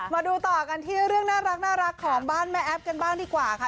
มาดูต่อกันที่เรื่องน่ารักของบ้านแม่แอฟกันบ้างดีกว่าค่ะ